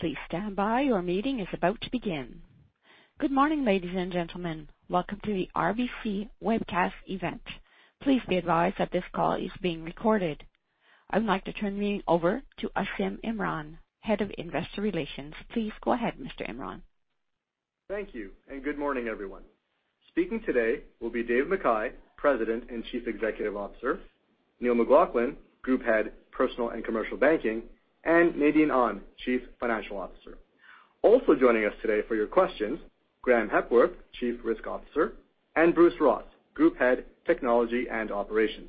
Please stand by. Your meeting is about to begin. Good morning, ladies and gentlemen. Welcome to the RBC webcast event. Please be advised that this call is being recorded. I would like to turn the meeting over to Asim Imran, Head of Investor Relations. Please go ahead, Mr. Imran. Thank you. Good morning, everyone. Speaking today will be Dave McKay, President and Chief Executive Officer, Neil McLaughlin, Group Head, Personal and Commercial Banking, and Nadine Ahn, Chief Financial Officer. Also joining us today for your questions, Graeme Hepworth, Chief Risk Officer, and Bruce Ross, Group Head, Technology and Operations.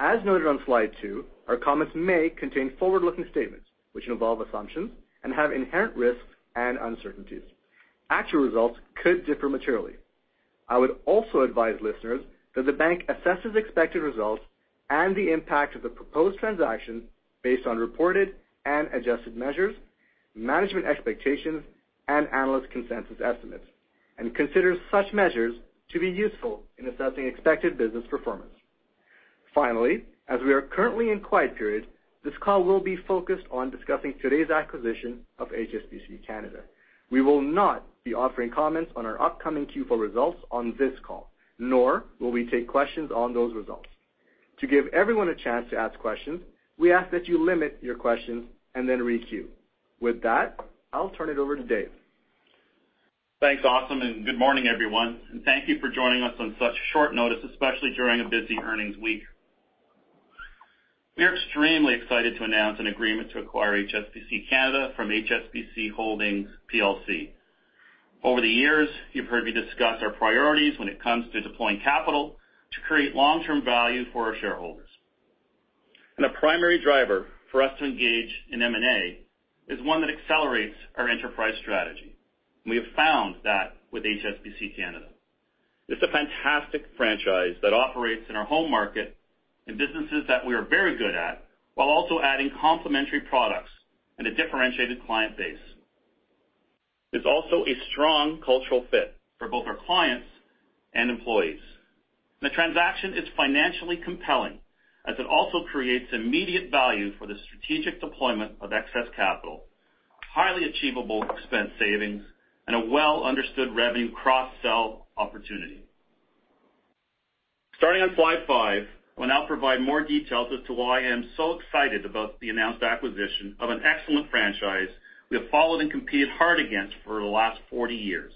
As noted on slide two, our comments may contain forward-looking statements which involve assumptions and have inherent risks and uncertainties. Actual results could differ materially. I would also advise listeners that the bank assesses expected results and the impact of the proposed transaction based on reported and adjusted measures, management expectations and analyst consensus estimates, and considers such measures to be useful in assessing expected business performance. As we are currently in quiet period, this call will be focused on discussing today's acquisition of HSBC Canada. We will not be offering comments on our upcoming Q4 results on this call, nor will we take questions on those results. To give everyone a chance to ask questions, we ask that you limit your questions and then re-queue. With that, I'll turn it over to Dave. Thanks, Asim, and good morning, everyone. Thank you for joining us on such short notice, especially during a busy earnings week. We are extremely excited to announce an agreement to acquire HSBC Canada from HSBC Holdings plc. Over the years, you've heard me discuss our priorities when it comes to deploying capital to create long-term value for our shareholders. A primary driver for us to engage in M&A is one that accelerates our enterprise strategy, and we have found that with HSBC Canada. It's a fantastic franchise that operates in our home market in businesses that we are very good at, while also adding complementary products and a differentiated client base. It's also a strong cultural fit for both our clients and employees. The transaction is financially compelling as it also creates immediate value for the strategic deployment of excess capital, highly achievable expense savings, and a well-understood revenue cross-sell opportunity. Starting on slide five, I will now provide more details as to why I am so excited about the announced acquisition of an excellent franchise we have followed and competed hard against for the last 40 years.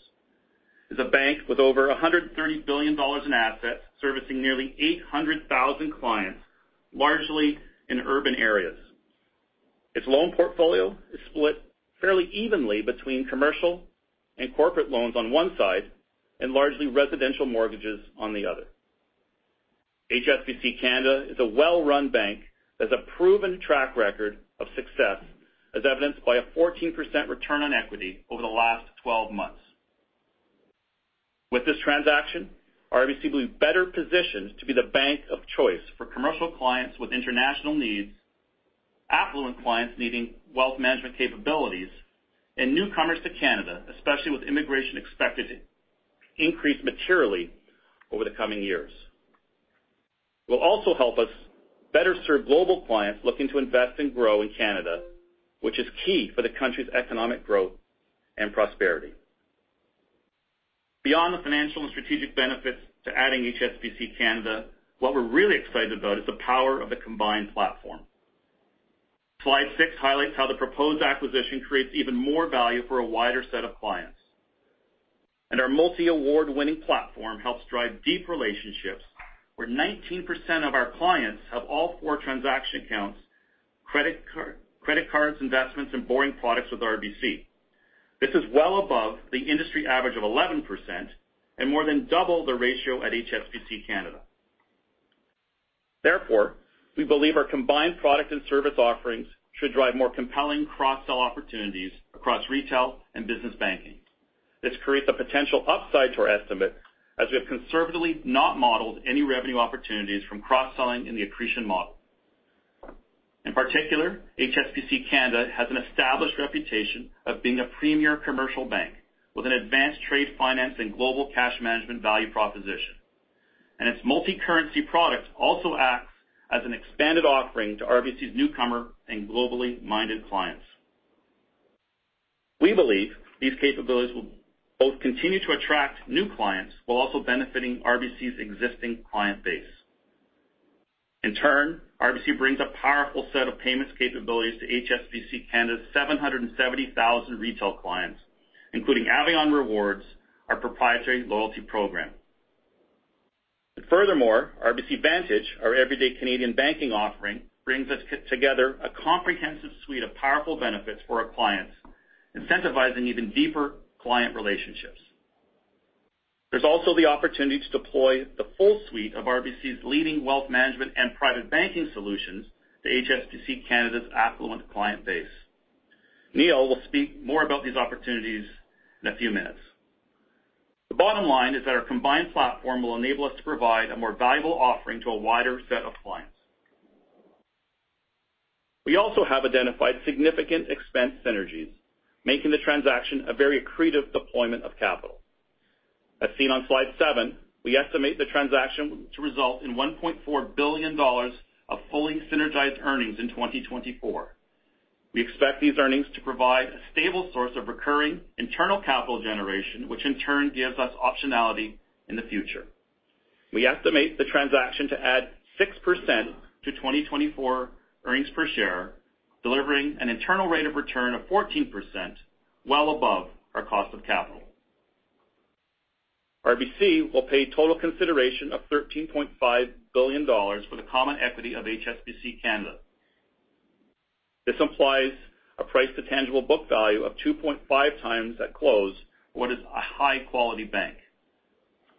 As a bank with over 130 billion dollars in assets, servicing nearly 800,000 clients, largely in urban areas. Its loan portfolio is split fairly evenly between commercial and corporate loans on one side and largely residential mortgages on the other. HSBC Canada is a well-run bank that's a proven track record of success, as evidenced by a 14% return on equity over the last 12 months. With this transaction, RBC will be better positioned to be the bank of choice for commercial clients with international needs, affluent clients needing wealth management capabilities, and newcomers to Canada, especially with immigration expected to increase materially over the coming years. Will also help us better serve global clients looking to invest and grow in Canada, which is key for the country's economic growth and prosperity. Beyond the financial and strategic benefits to adding HSBC Canada, what we're really excited about is the power of the combined platform. Slide six highlights how the proposed acquisition creates even more value for a wider set of clients. Our multi-award-winning platform helps drive deep relationships where 19% of our clients have all four transaction accounts, credit cards, investments, and borrowing products with RBC. This is well above the industry average of 11% and more than double the ratio at HSBC Canada. Therefore, we believe our combined product and service offerings should drive more compelling cross-sell opportunities across retail and business banking. This creates a potential upside to our estimate as we have conservatively not modeled any revenue opportunities from cross-selling in the accretion model. In particular, HSBC Canada has an established reputation of being a premier commercial bank with an advanced trade finance and global cash management value proposition. Its multi-currency product also acts as an expanded offering to RBC's newcomer and globally-minded clients. We believe these capabilities will both continue to attract new clients while also benefiting RBC's existing client base. In turn, RBC brings a powerful set of payments capabilities to HSBC Canada's 770,000 retail clients, including Avion Rewards, our proprietary loyalty program. Furthermore, RBC Vantage, our everyday Canadian banking offering, brings us together a comprehensive suite of powerful benefits for our clients, incentivizing even deeper client relationships. There's also the opportunity to deploy the full suite of RBC's leading wealth management and private banking solutions to HSBC Canada's affluent client base. Neil will speak more about these opportunities in a few minutes. The bottom line is that our combined platform will enable us to provide a more valuable offering to a wider set of clients. We also have identified significant expense synergies, making the transaction a very accretive deployment of capital. As seen on slide seven, we estimate the transaction to result in 1.4 billion dollars of fully synergized earnings in 2024. We expect these earnings to provide a stable source of recurring internal capital generation, which in turn gives us optionality in the future. We estimate the transaction to add 6% to 2024 earnings per share, delivering an internal rate of return of 14%, well above our cost of capital. RBC will pay total consideration of 13.5 billion dollars for the common equity of HSBC Canada. This implies a price to tangible book value of 2.5x at close what is a high-quality bank.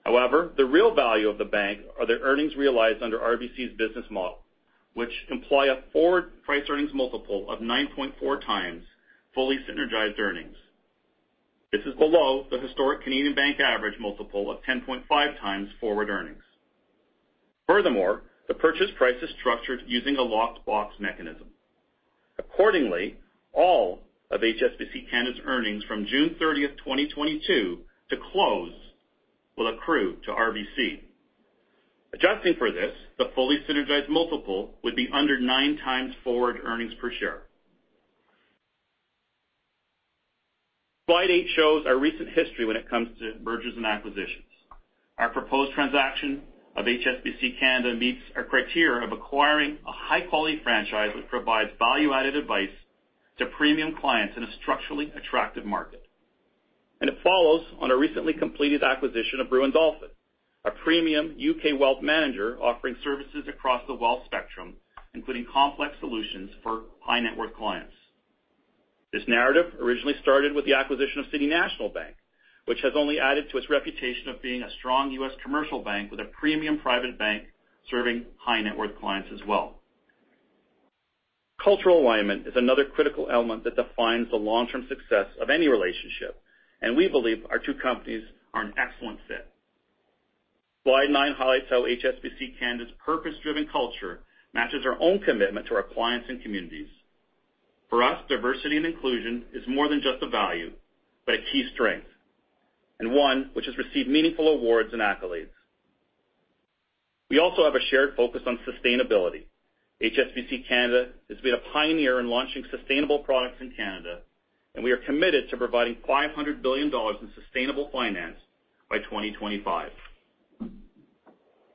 The real value of the bank are the earnings realized under RBC's business model, which imply a forward price earnings multiple of 9.4x fully synergized earnings. This is below the historic Canadian bank average multiple of 10.5x forward earnings. The purchase price is structured using a locked box mechanism. All of HSBC Canada's earnings from June 30th, 2022 to close will accrue to RBC. Adjusting for this, the fully synergized multiple would be under nine times forward earnings per share. Slide eight shows our recent history when it comes to mergers and acquisitions. Our proposed transaction of HSBC Canada meets our criteria of acquiring a high-quality franchise, which provides value-added advice to premium clients in a structurally attractive market. It follows on a recently completed acquisition of Brewin Dolphin, a premium UK wealth manager offering services across the wealth spectrum, including complex solutions for high-net-worth clients. This narrative originally started with the acquisition of City National Bank, which has only added to its reputation of being a strong US commercial bank with a premium private bank serving high-net-worth clients as well. Cultural alignment is another critical element that defines the long-term success of any relationship, and we believe our two companies are an excellent fit. Slide nine highlights how HSBC Canada's purpose-driven culture matches our own commitment to our clients and communities. For us, diversity and inclusion is more than just a value, but a key strength, and one which has received meaningful awards and accolades. We also have a shared focus on sustainability. HSBC Canada has been a pioneer in launching sustainable products in Canada, and we are committed to providing 500 billion dollars in sustainable finance by 2025.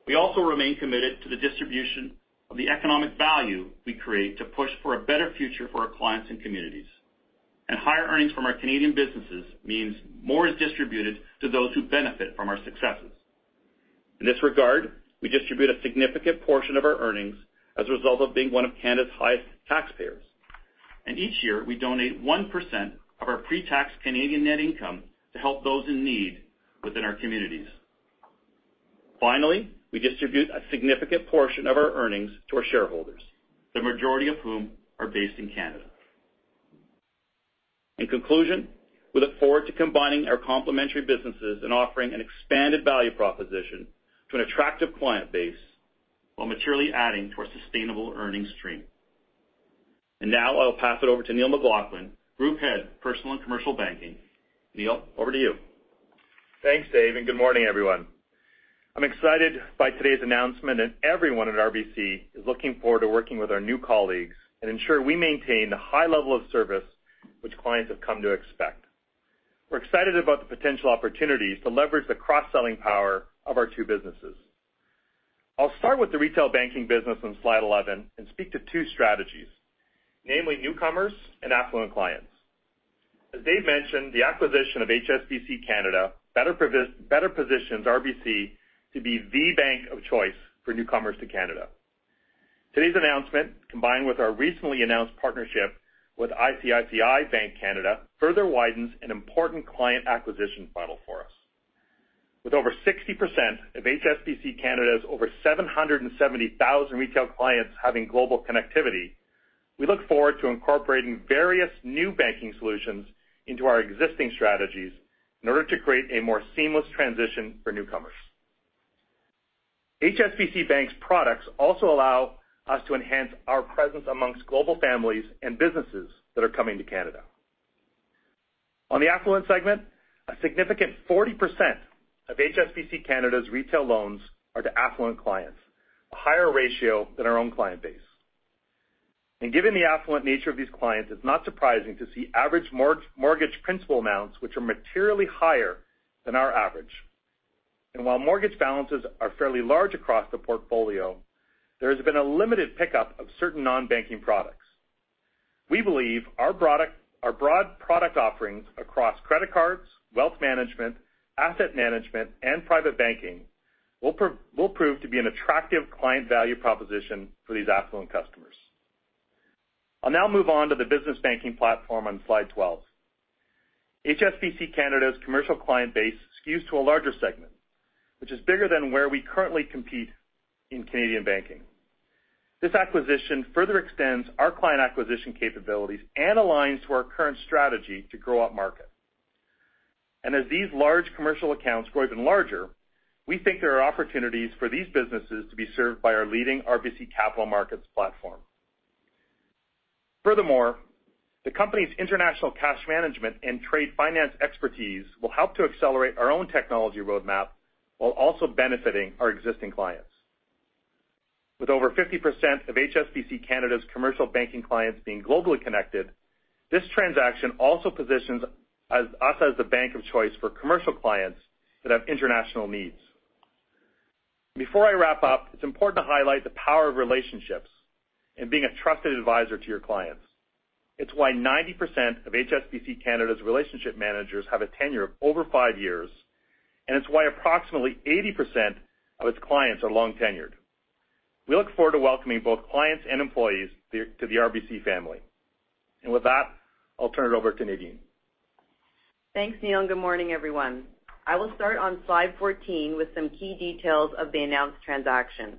We also remain committed to the distribution of the economic value we create to push for a better future for our client and communities and higher earnings from our Canadian businesses means more is distributed to those who benefit from our successes. In this regard, we distribute a significant portion of our earnings as a result of being one of Canada's highest taxpayers. Each year, we donate 1% of our pre-tax Canadian net income to help those in need within our communities. Finally, we distribute a significant portion of our earnings to our shareholders, the majority of whom are based in Canada. In conclusion, we look forward to combining our complementary businesses and offering an expanded value proposition to an attractive client base while maturely adding to our sustainable earnings stream. Now I will pass it over to Neil McLaughlin, Group Head, Personal and Commercial Banking. Neil, over to you. Thanks, Dave, and good morning, everyone. I'm excited by today's announcement, and everyone at RBC is looking forward to working with our new colleagues and ensure we maintain the high level of service which clients have come to expect. We're excited about the potential opportunities to leverage the cross-selling power of our two businesses. I'll start with the retail banking business on slide 11 and speak to two strategies, namely newcomers and affluent clients. As Dave mentioned, the acquisition of HSBC Canada better positions RBC to be the bank of choice for newcomers to Canada. Today's announcement, combined with our recently announced partnership with ICICI Bank Canada, further widens an important client acquisition funnel for us. With over 60% of HSBC Canada's over 770,000 retail clients having global connectivity, we look forward to incorporating various new banking solutions into our existing strategies in order to create a more seamless transition for newcomers. HSBC Bank's products also allow us to enhance our presence amongst global families and businesses that are coming to Canada. On the affluent segment, a significant 40% of HSBC Canada's retail loans are to affluent clients, a higher ratio than our own client base. Given the affluent nature of these clients, it's not surprising to see average mortgage principal amounts which are materially higher than our average. While mortgage balances are fairly large across the portfolio, there has been a limited pickup of certain non-banking products. We believe our broad product offerings across credit cards, wealth management, asset management, and private banking will prove to be an attractive client value proposition for these affluent customers. I'll now move on to the business banking platform on slide 12. HSBC Bank Canada's commercial client base skews to a larger segment, which is bigger than where we currently compete in Canadian banking. This acquisition further extends our client acquisition capabilities and aligns to our current strategy to grow up market. As these large commercial accounts grow even larger, we think there are opportunities for these businesses to be served by our leading RBC Capital Markets platform. Furthermore, the company's international cash management and trade finance expertise will help to accelerate our own technology roadmap while also benefiting our existing clients. With over 50% of HSBC Canada's commercial banking clients being globally connected, this transaction also positions us as the bank of choice for commercial clients that have international needs. Before I wrap up, it's important to highlight the power of relationships and being a trusted advisor to your clients. It's why 90% of HSBC Canada's relationship managers have a tenure of over five years, and it's why approximately 80% of its clients are long-tenured. We look forward to welcoming both clients and employees to the RBC family. With that, I'll turn it over to Nadine. Thanks, Neil, and good morning, everyone. I will start on slide 14 with some key details of the announced transaction.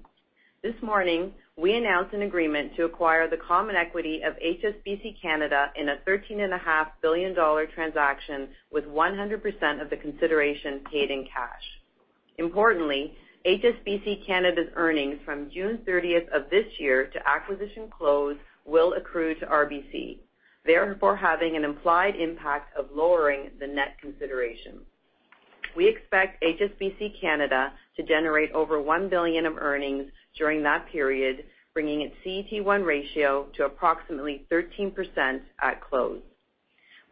This morning, we announced an agreement to acquire the common equity of HSBC Canada in a 13.5 billion dollar transaction with 100% of the consideration paid in cash. Importantly, HSBC Canada's earnings from June 30 of this year to acquisition close will accrue to RBC, therefore having an implied impact of lowering the net consideration. We expect HSBC Canada to generate over 1 billion of earnings during that period, bringing its CET1 ratio to approximately 13% at close.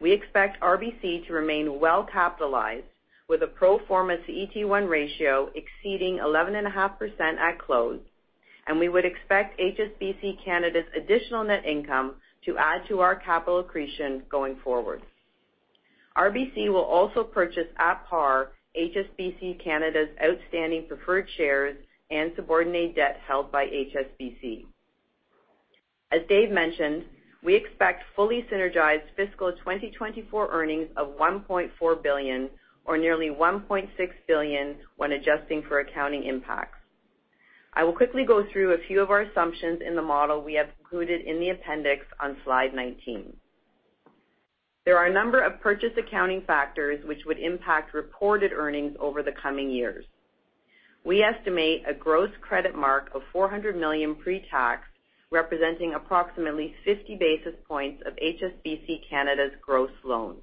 We expect RBC to remain well-capitalized with a pro forma CET1 ratio exceeding 11.5% at close, and we would expect HSBC Canada's additional net income to add to our capital accretion going forward. RBC will also purchase, at par, HSBC Canada's outstanding preferred shares and subordinate debt held by HSBC. As Dave mentioned, we expect fully synergized fiscal 2024 earnings of 1.4 billion or nearly 1.6 billion when adjusting for accounting impacts. I will quickly go through a few of our assumptions in the model we have included in the appendix on slide 19. There are a number of purchase accounting factors which would impact reported earnings over the coming years. We estimate a gross credit mark of 400 million pre-tax, representing approximately 50 basis points of HSBC Canada's gross loans.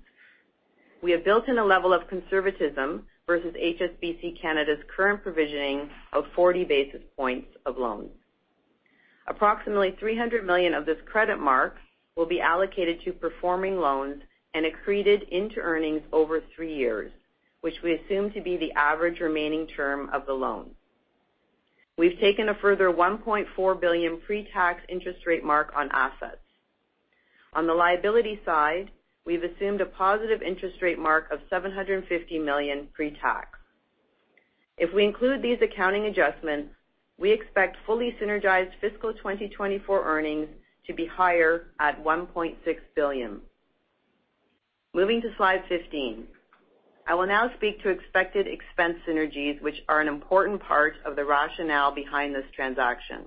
We have built in a level of conservatism versus HSBC Canada's current provisioning of 40 basis points of loans. Approximately 300 million of this credit mark will be allocated to performing loans and accreted into earnings over three years, which we assume to be the average remaining term of the loan. We've taken a further 1.4 billion pre-tax interest rate mark on assets. On the liability side, we've assumed a positive interest rate mark of 750 million pre-tax. If we include these accounting adjustments, we expect fully synergized fiscal 2024 earnings to be higher at 1.6 billion. Moving to slide 15. I will now speak to expected expense synergies, which are an important part of the rationale behind this transaction.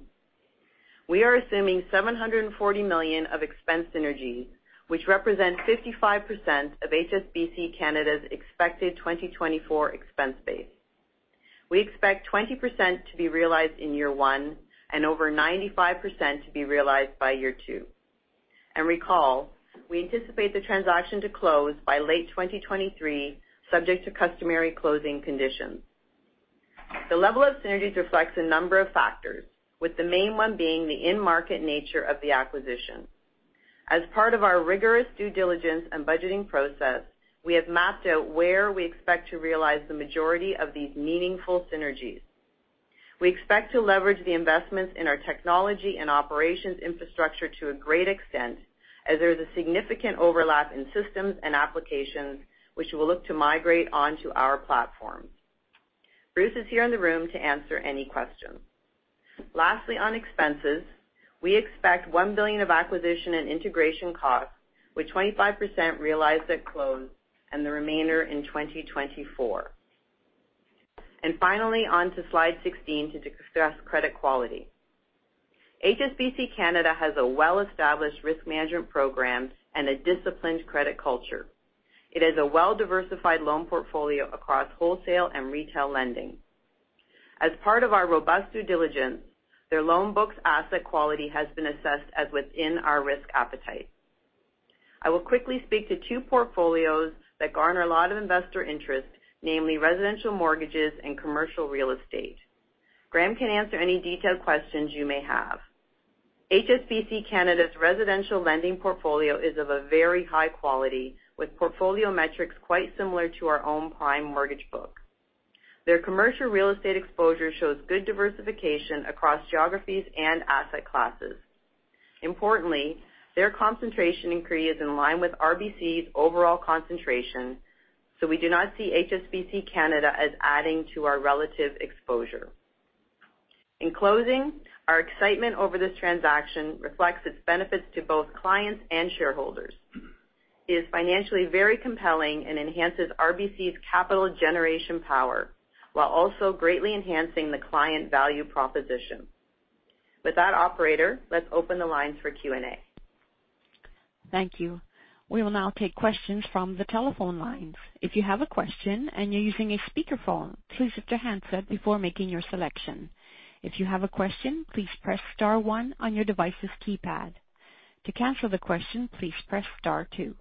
We are assuming 740 million of expense synergies, which represent 55% of HSBC Canada's expected 2024 expense base. We expect 20% to be realized in year one and over 95% to be realized by year two. Recall, we anticipate the transaction to close by late 2023, subject to customary closing conditions. The level of synergies reflects a number of factors, with the main one being the in-market nature of the acquisition. As part of our rigorous due diligence and budgeting process, we have mapped out where we expect to realize the majority of these meaningful synergies. We expect to leverage the investments in our technology and operations infrastructure to a great extent as there is a significant overlap in systems and applications, which we'll look to migrate onto our platform. Bruce is here in the room to answer any questions. Lastly, on expenses, we expect 1 billion of acquisition and integration costs, with 25% realized at close and the remainder in 2024. Finally, on to slide 16 to discuss credit quality. HSBC Canada has a well-established risk management program and a disciplined credit culture. It has a well-diversified loan portfolio across wholesale and retail lending. As part of our robust due diligence, their loan book's asset quality has been assessed as within our risk appetite. I will quickly speak to two portfolios that garner a lot of investor interest, namely residential mortgages and commercial real estate. Graeme can answer any detailed questions you may have. HSBC Canada's residential lending portfolio is of a very high quality, with portfolio metrics quite similar to our own prime mortgage book. Their commercial real estate exposure shows good diversification across geographies and asset classes. Importantly, their concentration inquiry is in line with RBC's overall concentration, we do not see HSBC Canada as adding to our relative exposure. In closing, our excitement over this transaction reflects its benefits to both clients and shareholders. It is financially very compelling and enhances RBC's capital generation power while also greatly enhancing the client value proposition. With that, operator, let's open the lines for Q&A. Thank you. We will now take questions from the telephone lines. If you have a question and you're using a speakerphone, please lift your handset before making your selection. If you have a question, please press star one on your device's keypad. To cancel the question, please press star two.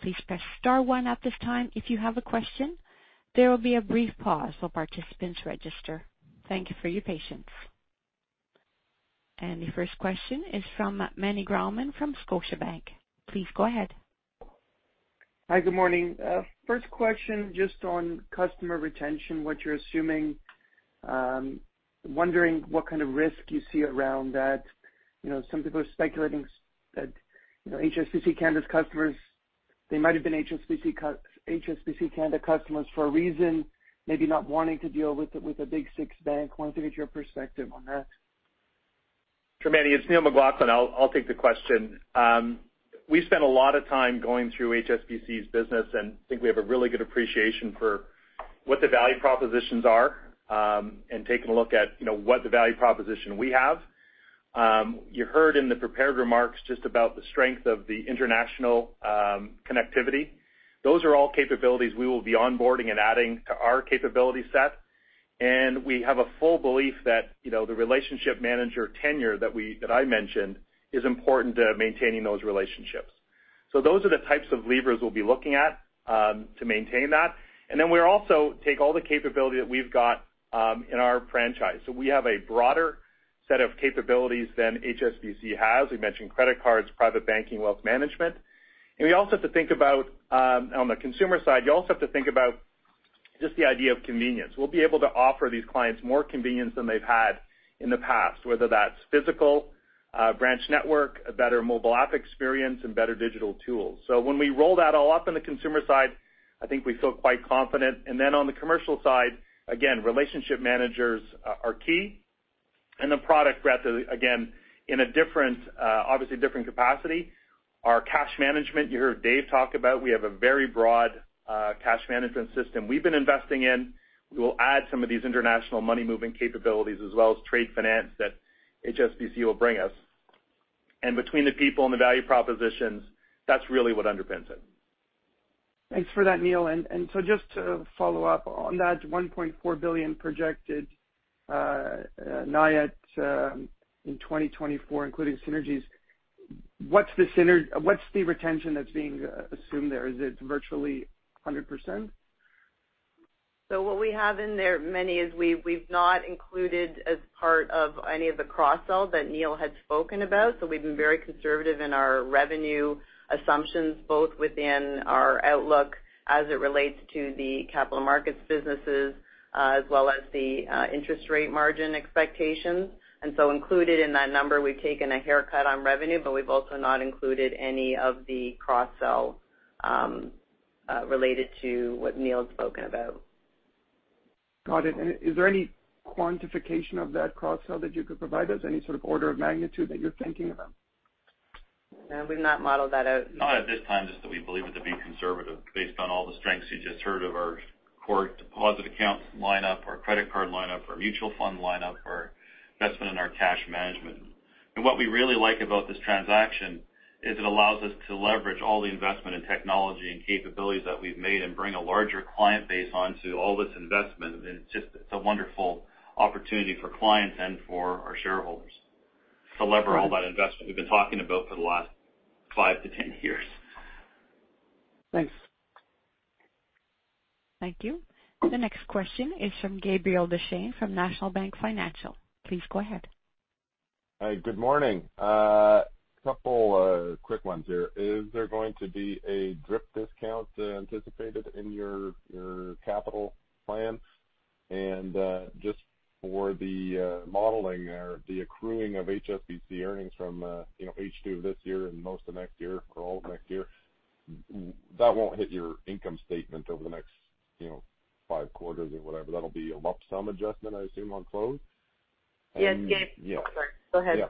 Please press star one at this time if you have a question. There will be a brief pause while participants register. Thank you for your patience. The first question is from Meny Grauman from Scotiabank. Please go ahead. Hi, good morning. First question just on customer retention, what you're assuming. Wondering what kind of risk you see around that. You know, some people are speculating that, you know, HSBC Canada's customers, they might have been HSBC Canada customers for a reason, maybe not wanting to deal with a, with a Big Six bank. Wanted to get your perspective on that? Sure Meny, it's Neil McLaughlin. I'll take the question. We spent a lot of time going through HSBC's business, and think we have a really good appreciation for what the value propositions are, and taking a look at, you know, what the value proposition we have. You heard in the prepared remarks just about the strength of the international, connectivity. Those are all capabilities we will be onboarding and adding to our capability set. We have a full belief that, you know, the relationship manager tenure that I mentioned is important to maintaining those relationships. Those are the types of levers we'll be looking at, to maintain that. We also take all the capability that we've got, in our franchise. We have a broader set of capabilities than HSBC has. We've mentioned credit cards, private banking, wealth management. We also have to think about on the consumer side, you also have to think about just the idea of convenience. We'll be able to offer these clients more convenience than they've had in the past, whether that's physical branch network, a better mobile app experience and better digital tools. When we roll that all up in the consumer side, I think we feel quite confident and then on the commercial side, again, relationship managers are key. The product breadth, again, in a different, obviously different capacity. Our cash management, you heard Dave talk about, we have a very broad cash management system we've been investing in. We will add some of these international money moving capabilities as well as trade finance that HSBC will bring us. Between the people and the value propositions, that's really what underpins it. Thanks for that, Neil. Just to follow up on that 1.4 billion projected NIAT in 2024, including synergies, what's the retention that's being assumed there? Is it virtually 100%? What we have in there, Meny, is we've not included as part of any of the cross-sell that Neil had spoken about. We've been very conservative in our revenue assumptions, both within our outlook as it relates to the capital markets businesses, as well as the interest rate margin expectations. Included in that number, we've taken a haircut on revenue, but we've also not included any of the cross-sell related to what Neil had spoken about. Got it. Is there any quantification of that cross-sell that you could provide us? Any sort of order of magnitude that you're thinking about? No, we've not modeled that out. Not at this time, just that we believe it to be conservative based on all the strengths you just heard of our core deposit accounts lineup, our credit card lineup, our mutual fund lineup, our investment in our cash management. What we really like about this transaction is it allows us to leverage all the investment in technology and capabilities that we've made and bring a larger client base onto all this investment. It's just, it's a wonderful opportunity for clients and for our shareholders to leverage all that investment we've been talking about for the last five-10 years. Thanks. Thank you. The next question is from Gabriel Deschênes from National Bank Financial. Please go ahead. Hi, good morning. Couple quick ones here. Is there going to be a drip discount anticipated in your capital plan? Just for the modeling there, the accruing of HSBC earnings from, you know, H2 of this year and most of next year or all of next year, that won't hit your income statement over the next, you know, five quarters or whatever. That'll be a lump sum adjustment, I assume, on close? Yes, Gabe. Yeah. Sorry, go ahead. Yeah.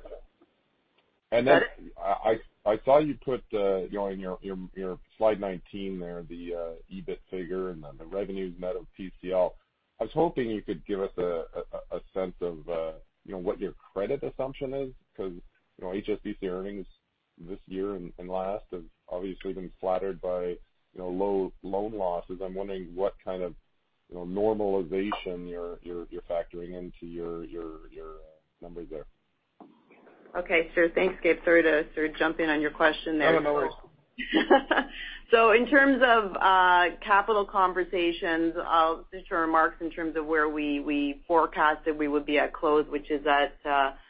then- Go ahead. I saw you put, you know, in your slide 19 there, the EBIT figure and the revenues net of PCL. I was hoping you could give us a sense of, you know, what your credit assumption is because, you know, HSBC earnings this year and last have obviously been flattered by, you know, low loan losses. I'm wondering what kind of, you know, normalization you're factoring into your numbers there? Okay. Sure. Thanks, Gabe. Sorry to sort of jump in on your question there. Oh, no worries. In terms of capital conversations, I'll refer to your remarks in terms of where we forecasted we would be at close, which is at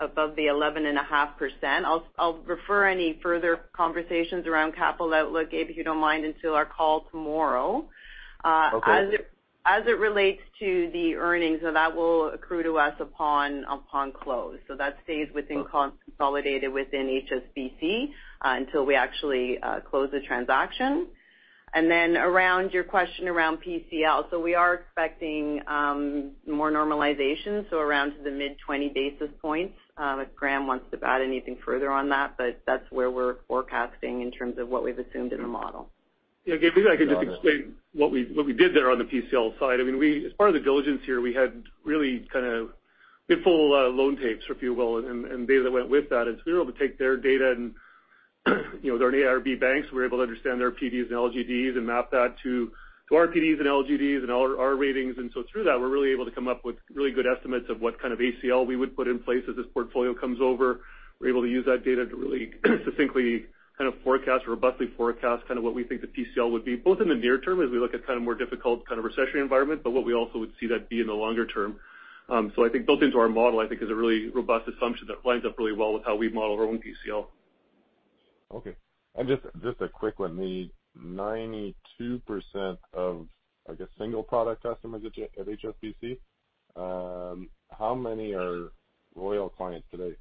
above the 11.5%. I'll refer any further conversations around capital outlook, Gabe, if you don't mind, until our call tomorrow. Okay. As it relates to the earnings, that will accrue to us upon close. That stays within consolidated within HSBC until we actually close the transaction. Around your question around PCL. We are expecting more normalization, around to the mid 20 basis points. If Graeme wants to add anything further on that, but that's where we're forecasting in terms of what we've assumed in the model. Yeah, Gabe, maybe I could just explain what we did there on the PCL side. I mean, as part of the diligence here, we had really They pull loan tapes, if you will, and data that went with that. We were able to take their data and, you know, they're an ARB banks, we're able to understand their PDs and LGDs and map that to our PDs and LGDs and our ratings. Through that, we're really able to come up with really good estimates of what kind of ACL we would put in place as this portfolio comes over. We're able to use that data to really succinctly kind of forecast, robustly forecast kind of what we think the PCL would be, both in the near term as we look at kind of more difficult kind of recessionary environment, but what we also would see that be in the longer term. Built into our model, I think is a really robust assumption that lines up really well with how we model our own PCL. Okay. Just a quick one. The 92% of, I guess, single product customers at HSBC, how many are Royal clients today?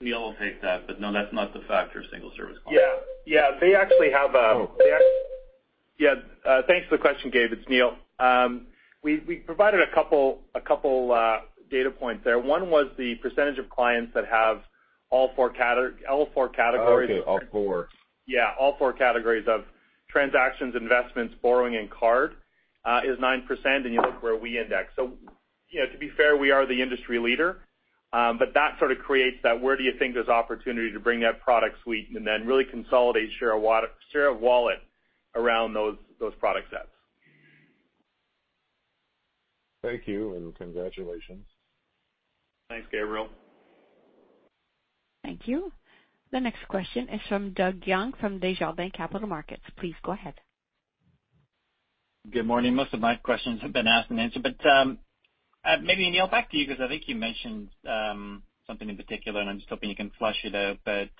Neil will take that, but no, that's not the factor of single service clients. Yeah. Yeah. They actually have. Oh. They actually. Yeah, thanks for the question, Gabe. It's Neil. We provided a couple data points there. One was the percentage of clients that have all four categories. Okay. All four. Yeah, all four categories of transactions, investments, borrowing, and card, is 9%. You look where we index. You know, to be fair, we are the industry leader. That sort of creates that where do you think there's opportunity to bring that product suite and then really consolidate, share of wallet around those product sets. Thank you, and congratulations. Thanks, Gabriel. Thank you. The next question is from Doug Young from Desjardins Capital Markets. Please go ahead. Good morning. Most of my questions have been asked and answered, but maybe Neil, back to you because I think you mentioned something in particular, and I'm just hoping you can flush it out. I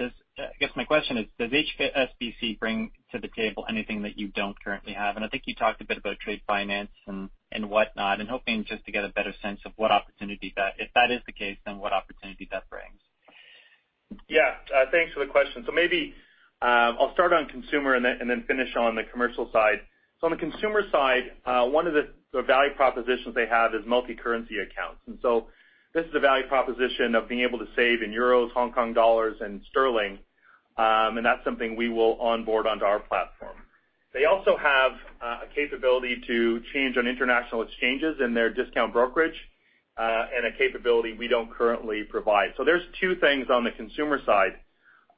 guess my question is, does HSBC bring to the table anything that you don't currently have? I think you talked a bit about trade finance and whatnot. I'm hoping just to get a better sense of what opportunity if that is the case, then what opportunity that brings. Yeah. Thanks for the question. Maybe, I'll start on consumer and then finish on the commercial side. On the consumer side, one of the value propositions they have is multi-currency accounts. This is a value proposition of being able to save in euros, Hong Kong dollars, and sterling, and that's something we will onboard onto our platform. They also have a capability to change on international exchanges in their discount brokerage, and a capability we don't currently provide. There's two things on the consumer side.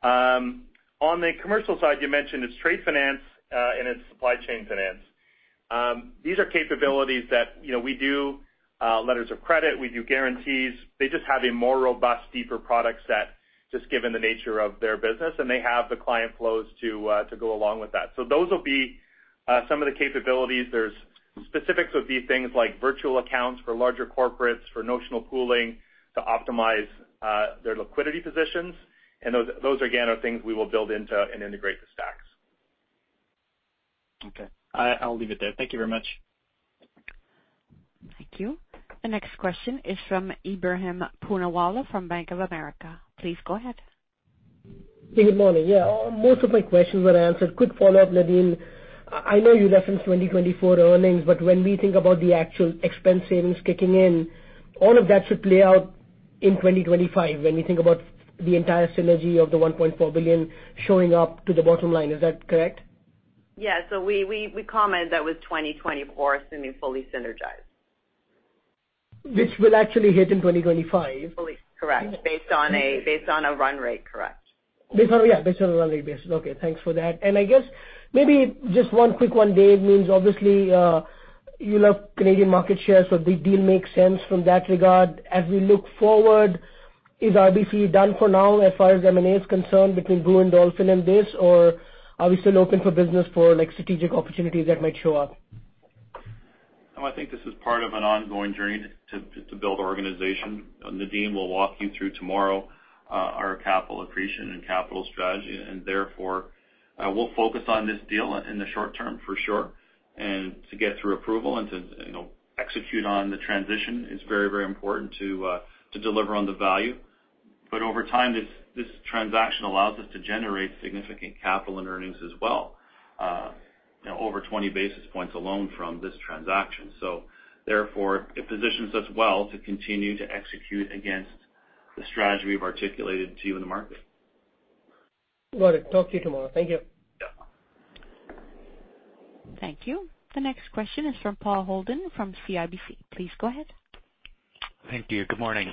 On the commercial side, you mentioned it's trade finance, and it's supply chain finance. These are capabilities that, you know, we do letters of credit, we do guarantees. They just have a more robust, deeper product set just given the nature of their business, and they have the client flows to go along with that. Those will be some of the capabilities. There's specifics would be things like virtual accounts for larger corporates, for notional pooling to optimize their liquidity positions. Those again, are things we will build into and integrate the stacks. Okay. I'll leave it there. Thank you very much. Thank you. The next question is from Ebrahim Poonawala from Bank of America. Please go ahead. Good morning. Yeah, most of my questions were answered. Quick follow-up, Nadine. I know you referenced 2024 earnings, when we think about the actual expense savings kicking in, all of that should play out in 2025 when we think about the entire synergy of the 1.4 billion showing up to the bottom line. Is that correct? Yeah. We commented that was 2024 assuming fully synergized. Which will actually hit in 2025? Correct. Based on a run rate. Correct. Based on, yeah, based on a run rate basis. Okay, thanks for that. I guess maybe just one quick one, Dave. I mean, obviously, you love Canadian market share, so big deal makes sense from that regard. As we look forward, is RBC done for now as far as M&A is concerned between Brewin Dolphin and this, or are we still open for business for like strategic opportunities that might show up? I think this is part of an ongoing journey to build our organization. Nadine will walk you through tomorrow, our capital accretion and capital strategy, therefore, we'll focus on this deal in the short term for sure. To get through approval and to, you know, execute on the transition is very important to deliver on the value. Over time, this transaction allows us to generate significant capital and earnings as well, over 20 basis points alone from this transaction. Therefore, it positions us well to continue to execute against the strategy we've articulated to you in the market. Got it. Talk to you tomorrow. Thank you. Yeah. Thank you. The next question is from Paul Holden from CIBC. Please go ahead. Thank you. Good morning.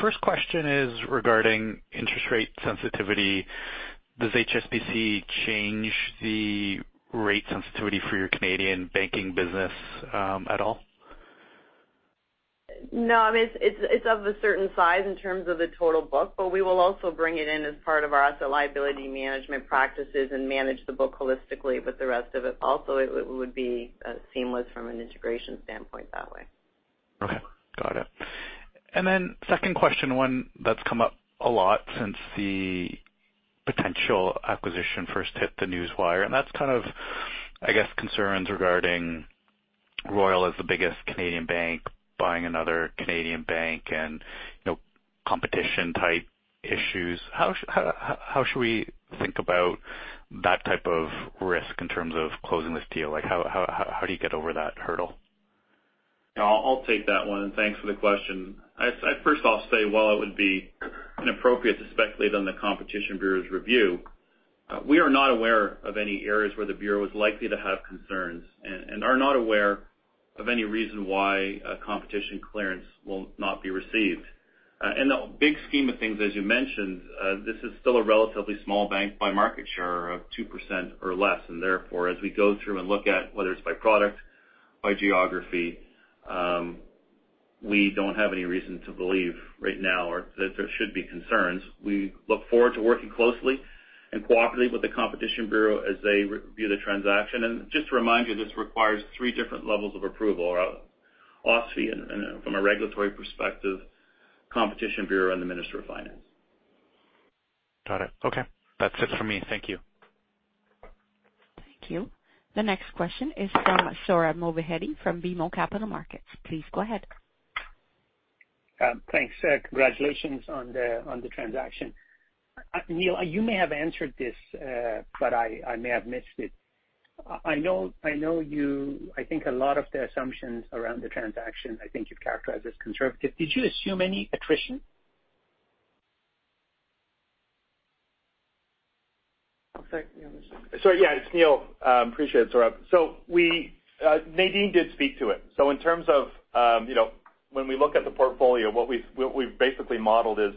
First question is regarding interest rate sensitivity. Does HSBC change the rate sensitivity for your Canadian banking business at all? No, I mean, it's of a certain size in terms of the total book, but we will also bring it in as part of our asset liability management practices and manage the book holistically with the rest of it. It would be seamless from an integration standpoint that way. Okay. Got it. Second question, one that's come up a lot since the potential acquisition first hit the newswire, and that's kind of, I guess, concerns regarding Royal as the biggest Canadian bank buying another Canadian bank and, you know, competition type issues. How should we think that type of risk in terms of closing this deal. How do you get over that hurdle? I'll take that one. Thanks for the question. First, I'll say while it would be inappropriate to speculate on the Competition Bureau's review We are not aware of any areas where the Competition Bureau is likely to have concerns and are not aware of any reason why a competition clearance will not be received. In the big scheme of things, as you mentioned, this is still a relatively small bank by market share of 2% or less. Therefore, as we go through and look at whether it's by product, by geography, we don't have any reason to believe right now or that there should be concerns. We look forward to working closely and cooperate with the Competition Bureau as they review the transaction. Just to remind you, this requires three different levels of approval, OSFI and from a regulatory perspective, Competition Bureau and the Ministry of Finance. Got it. Okay. That's it for me. Thank you. Thank you. The next question is from Sohrab Movahedi from BMO Capital Markets. Please go ahead. Thanks. Congratulations on the transaction. Neil, you may have answered this, but I may have missed it. I know you... I think a lot of the assumptions around the transaction, I think you've characterized as conservative. Did you assume any attrition? Yeah, it's Neil. Appreciate it, Sohrab. We, Nadine did speak to it. In terms of, you know, when we look at the portfolio, what we've basically modeled is,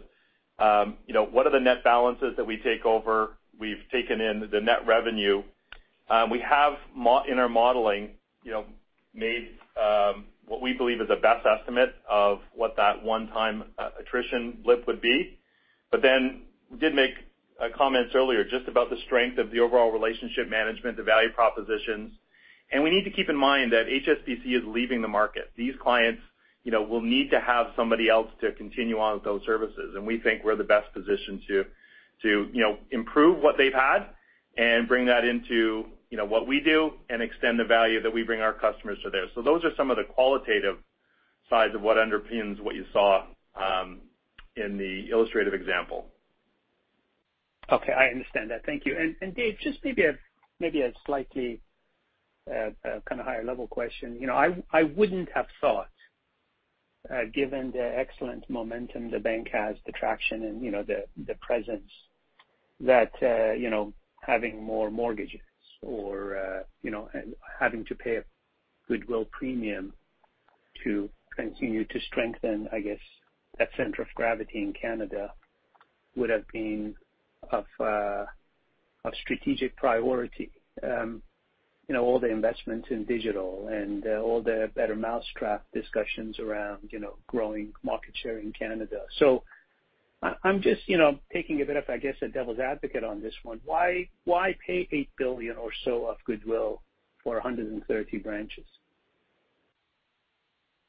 you know, what are the net balances that we take over? We've taken in the net revenue. We have in our modeling, you know, made what we believe is the best estimate of what that one-time attrition lift would be. We did make comments earlier just about the strength of the overall relationship management, the value propositions. We need to keep in mind that HSBC is leaving the market. These clients, you know, will need to have somebody else to continue on with those services. We think we're the best positioned to, you know, improve what they've had and bring that into, you know, what we do and extend the value that we bring our customers to there. Those are some of the qualitative sides of what underpins what you saw in the illustrative example. Okay, I understand that. Thank you. Dave, just maybe a slightly kind of higher level question. You know, I wouldn't have thought, given the excellent momentum the bank has, the traction and, you know, the presence that, you know, having more mortgages or, you know, having to pay a goodwill premium to continue to strengthen, I guess, that center of gravity in Canada would have been of strategic priority. You know, all the investments in digital and, all the better mousetrap discussions around, you know, growing market share in Canada. I'm just, you know, taking a bit of, I guess, a devil's advocate on this one. Why, why pay $8 billion or so of goodwill for 130 branches?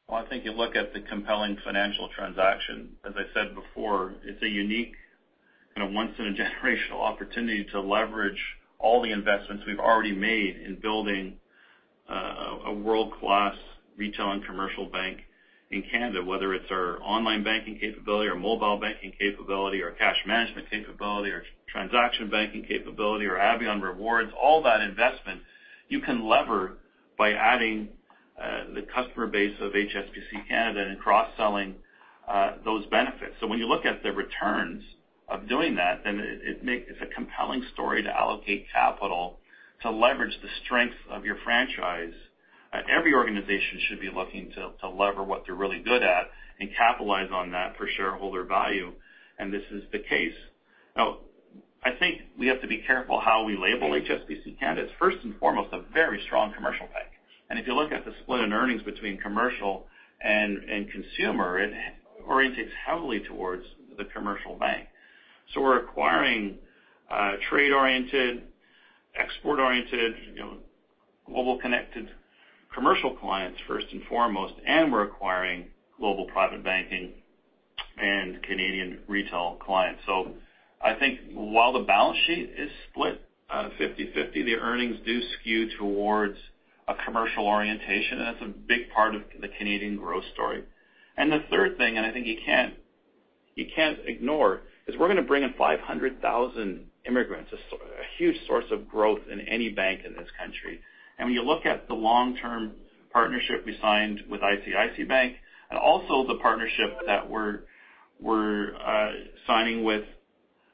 Well, I think you look at the compelling financial transaction. As I said before, it's a unique kind of once in a generational opportunity to leverage all the investments we've already made in building, a world-class retail and commercial bank in Canada, whether it's our online banking capability or mobile banking capability or cash management capability or transaction banking capability or Avion Rewards. All that investment you can lever by adding, the customer base of HSBC Canada and cross-selling, those benefits. When you look at the returns of doing that, it's a compelling story to allocate capital to leverage the strength of your franchise. Every organization should be looking to lever what they're really good at and capitalize on that for shareholder value, and this is the case. I think we have to be careful how we label HSBC Canada. It's first and foremost a very strong commercial bank. If you look at the split in earnings between commercial and consumer, it orientates heavily towards the commercial bank. We're acquiring trade-oriented, export-oriented, you know, global connected commercial clients first and foremost, and we're acquiring global private banking and Canadian retail clients. I think while the balance sheet is split 50/50, the earnings do skew towards a commercial orientation, and that's a big part of the Canadian growth story. The third thing, and I think you can't ignore, is we're gonna bring in 500,000 immigrants, a huge source of growth in any bank in this country. When you look at the long-term partnership we signed with ICICI Bank and also the partnership that we're signing with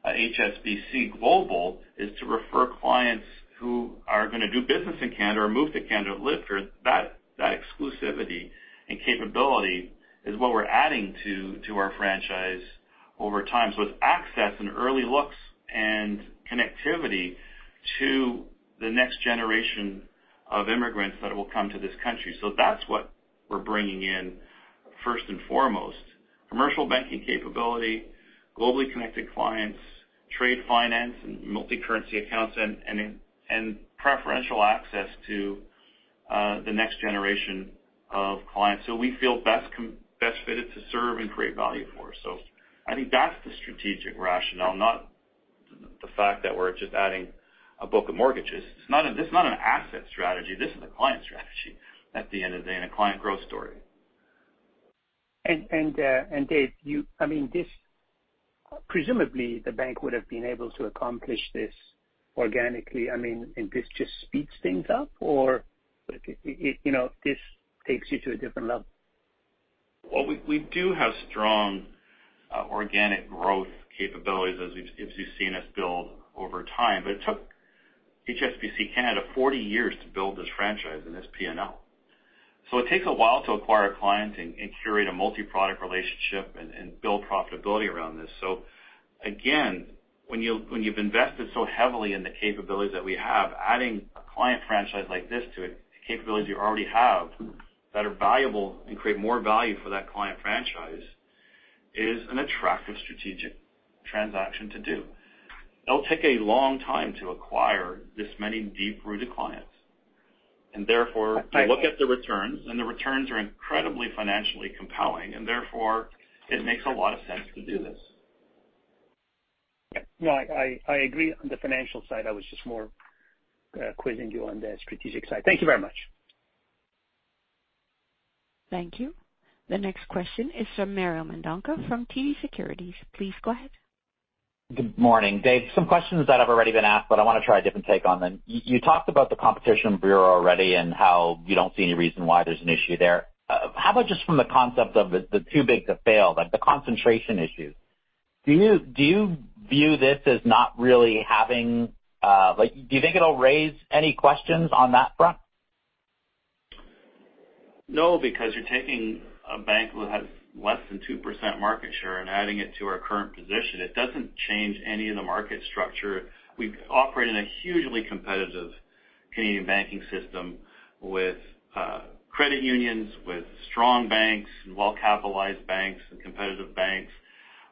HSBC Global, is to refer clients who are gonna do business in Canada or move to Canada to live here. That exclusivity and capability is what we're adding to our franchise over time. It's access and early looks and connectivity to the next generation of immigrants that will come to this country. That's what we're bringing in first and foremost, commercial banking capability, globally connected clients, trade finance, and multicurrency accounts and preferential access to the next generation of clients who we feel best fitted to serve and create value for. I think that's the strategic rationale, not the fact that we're just adding a book of mortgages. This is not an asset strategy. This is a client strategy at the end of the day and a client growth story. Dave, I mean, this, presumably, the bank would have been able to accomplish this organically. I mean, this just speeds things up, or, you know, this takes you to a different level? We do have strong organic growth capabilities as you've seen us build over time. It took HSBC Canada 40 years to build this franchise and this P&L. It takes a while to acquire clients and curate a multiproduct relationship and build profitability around this. Again, when you've invested so heavily in the capabilities that we have, adding a client franchise like this to it, the capabilities you already have that are valuable and create more value for that client franchise is an attractive strategic transaction to do. It'll take a long time to acquire this many deep-rooted clients. Therefore- We look at the returns, and the returns are incredibly financially compelling, and therefore it makes a lot of sense to do this. Okay. No, I agree on the financial side. I was just more quizzing you on the strategic side. Thank you very much. Thank you. The next question is from Mario Mendonca from TD Securities. Please go ahead. Good morning, Dave. Some questions that have already been asked, I wanna try a different take on them. You talked about the Competition Bureau already and how you don't see any reason why there's an issue there. How about just from the concept of the too big to fail, like the concentration issue. Do you view this as not really having... Like, do you think it'll raise any questions on that front? No, because you're taking a bank that has less than 2% market share and adding it to our current position. It doesn't change any of the market structure. We operate in a hugely competitive Canadian banking system with credit unions, with strong banks and well-capitalized banks and competitive banks,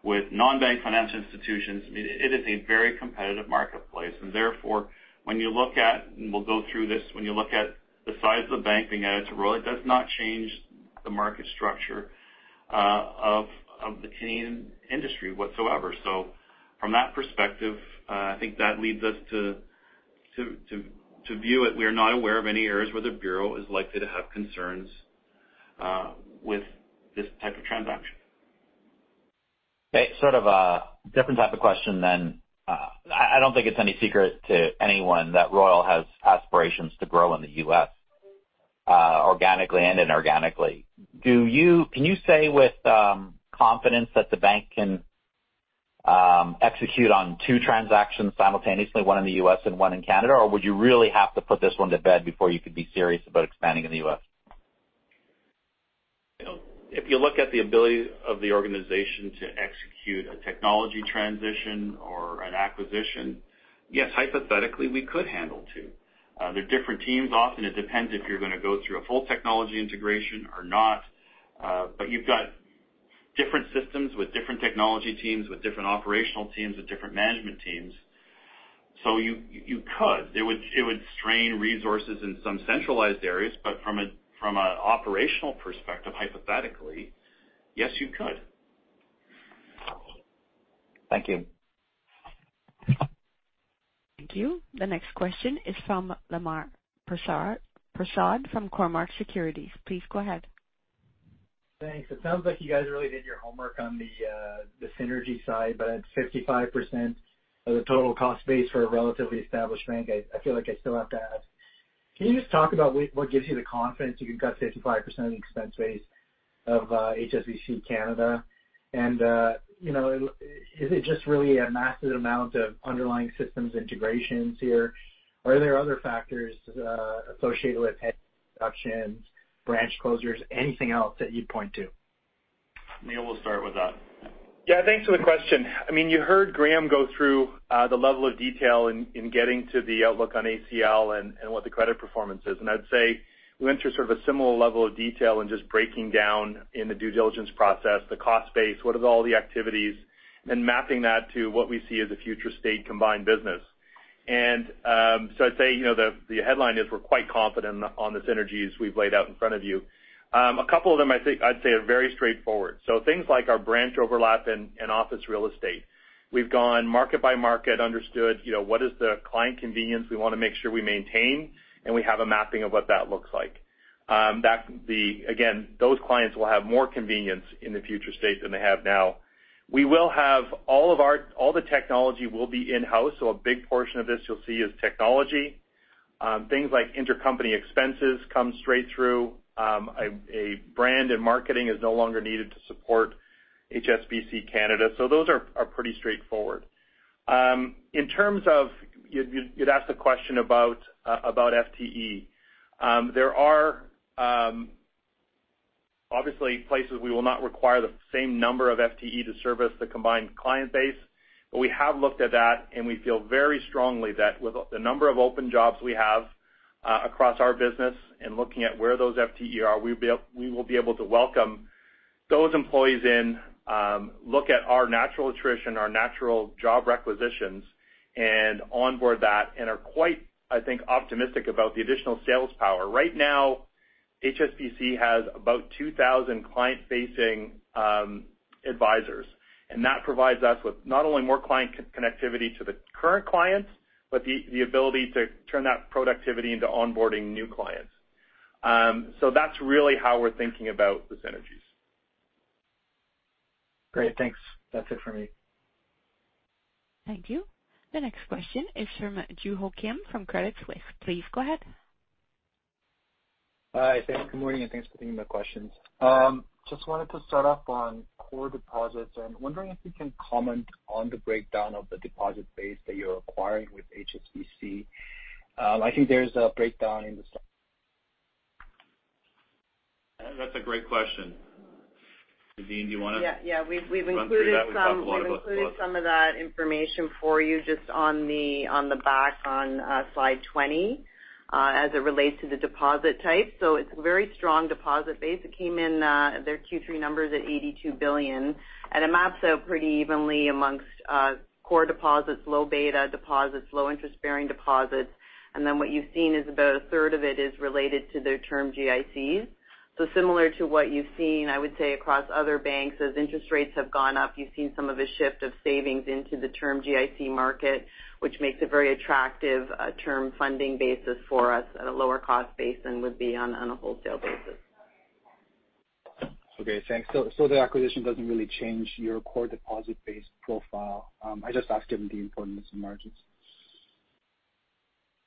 with non-bank financial institutions. I mean, it is a very competitive marketplace. Therefore, when you look at, and we'll go through this, when you look at the size of the bank being added to Royal, it does not change the market structure of the team industry whatsoever. From that perspective, I think that leads us to view it. We are not aware of any areas where the Bureau is likely to have concerns with this type of transaction. Okay, sort of a different type of question then. I don't think it's any secret to anyone that Royal has aspirations to grow in the U.S., organically and inorganically. Can you say with confidence that the bank can execute on two transactions simultaneously, one in the U.S. and one in Canada? Would you really have to put this one to bed before you could be serious about expanding in the U.S.? You know, if you look at the ability of the organization to execute a technology transition or an acquisition, yes, hypothetically, we could handle two. They're different teams. Often it depends if you're gonna go through a full technology integration or not. You've got different systems with different technology teams, with different operational teams, with different management teams. You could. It would strain resources in some centralized areas, but from a operational perspective, hypothetically, yes, you could. Thank you. Thank you. The next question is from Lemar Persaud from Cormark Securities. Please go ahead. Thanks. It sounds like you guys really did your homework on the synergy side, but at 55% of the total cost base for a relatively established bank, I feel like I still have to ask. Can you just talk about what gives you the confidence you can cut 65% of the expense base of HSBC Canada? You know, is it just really a massive amount of underlying systems integrations here? Or are there other factors associated with head reductions, branch closures, anything else that you'd point to? Neil, we'll start with that. Yeah, thanks for the question. I mean, you heard Graeme go through the level of detail in getting to the outlook on ACL and what the credit performance is. I'd say we went through sort of a similar level of detail in just breaking down in the due diligence process, the cost base, what is all the activities, and mapping that to what we see as a future state combined business. I'd say, you know, the headline is we're quite confident on the synergies we've laid out in front of you. Two of them I'd say are very straightforward. Things like our branch overlap and office real estate. We've gone market by market, understood, you know, what is the client convenience we wanna make sure we maintain, and we have a mapping of what that looks like. Again, those clients will have more convenience in the future state than they have now. We will have all the technology will be in-house, so a big portion of this you'll see is technology. Things like intercompany expenses come straight through. a brand and marketing is no longer needed to support HSBC Canada. Those are pretty straightforward. In terms of, you'd asked a question about FTE. There are, obviously places we will not require the same number of FTE to service the combined client base, but we have looked at that, and we feel very strongly that with the number of open jobs we have, across our business and looking at where those FTE are, we will be able to welcome those employees in, look at our natural attrition, our natural job requisitions, and onboard that and are quite, I think, optimistic about the additional sales power. Right now, HSBC has about 2,000 client-facing advisors, and that provides us with not only more client connectivity to the current clients, but the ability to turn that productivity into onboarding new clients. That's really how we're thinking about the synergies. Great. Thanks. That's it for me. Thank you. The next question is from Joo Ho Kim from Credit Suisse. Please go ahead. Hi. Thanks. Good morning, and thanks for taking my questions. Just wanted to start off on core deposits. I'm wondering if you can comment on the breakdown of the deposit base that you're acquiring with HSBC. I think there's a breakdown in the? That's a great question. Nadine, do you want to- Yeah. Yeah. We've included. You wanna take that? We've talked a lot about. We've included some of that information for you just on the back on slide 20, as it relates to the deposit type. It's a very strong deposit base. It came in their Q3 numbers at 82 billion, and it maps out pretty evenly amongst core deposits, low beta deposits, low interest-bearing deposits. Then what you've seen is about 1/3 of it is related to their term GICs. Similar to what you've seen, I would say across other banks, as interest rates have gone up, you've seen some of a shift of savings into the term GIC market, which makes a very attractive term funding basis for us at a lower cost base than would be on a wholesale basis. Okay. Thanks. The acquisition doesn't really change your core deposit base profile. I just ask given the importance of margins?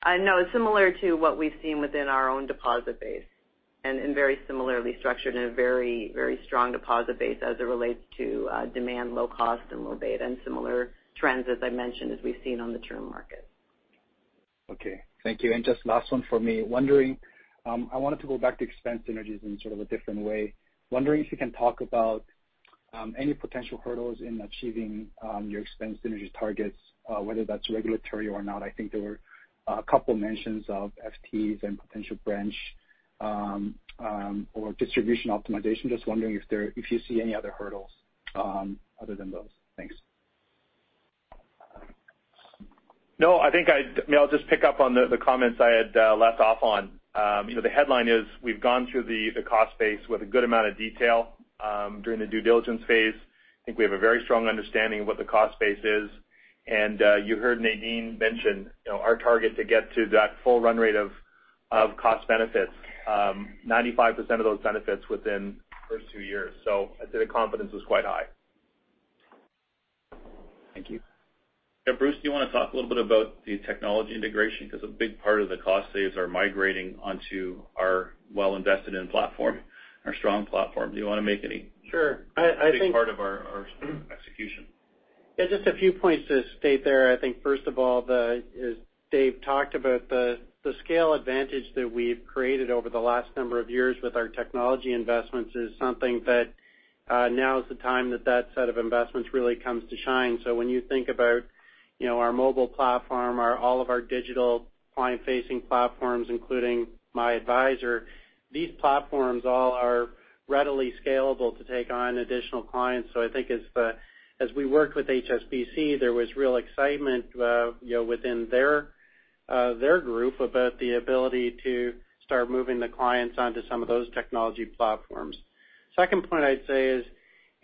No, it's similar to what we've seen within our own deposit base and very similarly structured in a very strong deposit base as it relates to demand, low cost and low beta and similar trends as I mentioned as we've seen on the term market. Okay. Thank you. Just last one for me. Wondering, I wanted to go back to expense synergies in sort of a different way. Wondering if you can talk about any potential hurdles in achieving your expense synergy targets, whether that's regulatory or not. I think there were a couple mentions of FTEs and potential branch or distribution optimization. Just wondering if you see any other hurdles, other than those? Thanks. No, I think I'd I mean, I'll just pick up on the comments I had left off on. You know, the headline is we've gone through the cost base with a good amount of detail during the due diligence phase. I think we have a very strong understanding of what the cost base is. You heard Nadine mention, you know, our target to get to that full run rate of cost benefits, 95% of those benefits within the first two years. I'd say the confidence was quite high. Thank you. Yeah. Bruce, do you wanna talk a little bit about the technology integration? 'Cause a big part of the cost saves are migrating onto our well-invested in platform, our strong platform. Do you wanna make any- Sure. I think. Big part of our execution. Yeah, just a few points to state there. I think first of all, the, as Dave talked about the scale advantage that we've created over the last number of years with our technology investments is something that now is the time that that set of investments really comes to shine. When you think about, you know, our mobile platform, all of our digital client-facing platforms, including MyAdvisor, these platforms all are readily scalable to take on additional clients. I think as we work with HSBC, there was real excitement, you know, within their group about the ability to start moving the clients onto some of those technology platforms. Second point I'd say is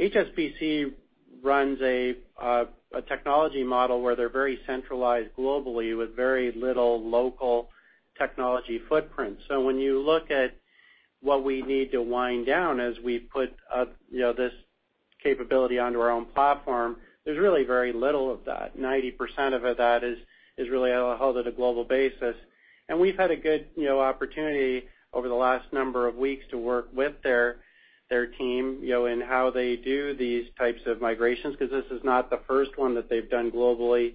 HSBC runs a technology model where they're very centralized globally with very little local technology footprint. When you look at what we need to wind down as we put, you know, this capability onto our own platform, there's really very little of that. 90% of that is really held at a global basis. We've had a good, you know, opportunity over the last number of weeks to work with their team, you know, in how they do these types of migrations, 'cause this is not the first one that they've done globally.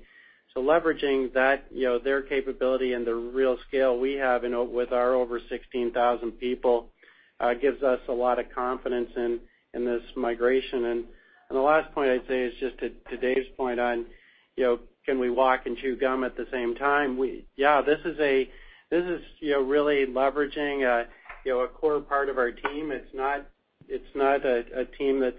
Leveraging that, you know, their capability and the real scale we have with our over 16,000 people gives us a lot of confidence in this migration. The last point I'd say is just to Dave's point on, you know, can we walk and chew gum at the same time? Yeah. This is, you know, really leveraging, you know, a core part of our team. It's not a team that's,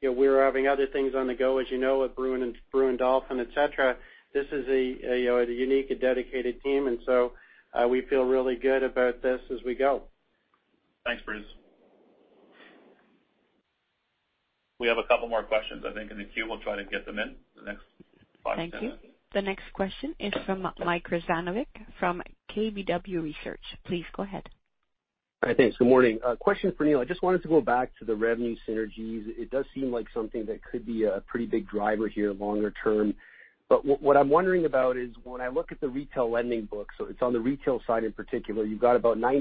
you know, we're having other things on the go, as you know, with Brewin Dolphin, et cetera. This is, you know, a unique and dedicated team. We feel really good about this as we go. Thanks, Bruce. We have a couple more questions, I think, in the queue. We'll try to get them in the next five, 10 minutes. Thank you. The next question is from Mike Rizvanovic from KBW Research. Please go ahead. All right. Thanks. Good morning. A question for Neil. I just wanted to go back to the revenue synergies. It does seem like something that could be a pretty big driver here longer term. What I'm wondering about is when I look at the retail lending book, so it's on the retail side in particular, you've got about 96%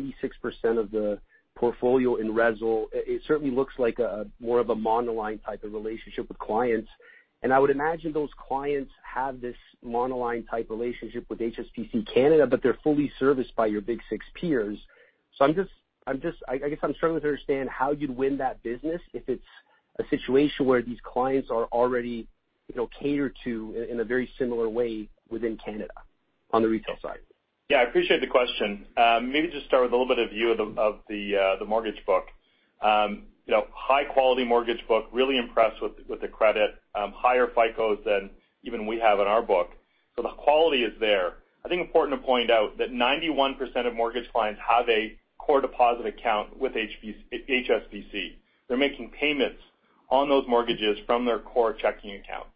of the portfolio in retail. It certainly looks like a more of a monoline type of relationship with clients. I would imagine those clients have this monoline type relationship with HSBC Canada, but they're fully serviced by your big six peers. I'm just I guess I'm struggling to understand how you'd win that business if it's a situation where these clients are already, you know, catered to in a very similar way within Canada on the retail side. Yeah, I appreciate the question. Maybe just start with a little bit of view of the mortgage book. You know, high quality mortgage book, really impressed with the credit, higher FICOs than even we have in our book. The quality is there. I think important to point out that 91% of mortgage clients have a core deposit account with HSBC. They're making payments on those mortgages from their core checking account.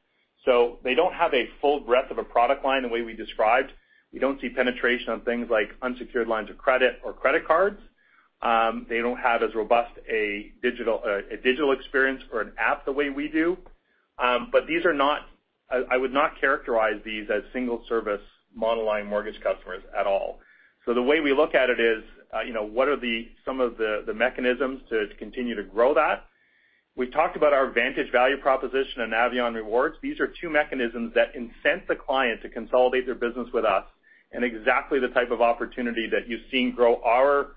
They don't have a full breadth of a product line the way we described. We don't see penetration on things like unsecured lines of credit or credit cards. They don't have as robust a digital experience or an app the way we do. These are not. I would not characterize these as single service model line mortgage customers at all. The way we look at it is, you know, what are some of the mechanisms to continue to grow that. We talked about our Vantage value proposition and Avion Rewards. These are two mechanisms that incent the client to consolidate their business with us and exactly the type of opportunity that you've seen grow our